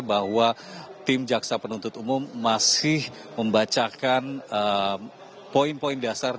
bahwa tim jaksa penuntut umum masih membacakan poin poin dasar